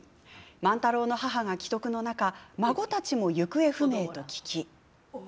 万太郎の母が危篤の中孫たちも行方不明と聞き。